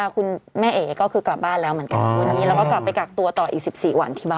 คุณแม่เอ๋ก็คือกลับบ้านแล้วเหมือนกันวันนี้แล้วก็กลับไปกักตัวต่ออีก๑๔วันที่บ้าน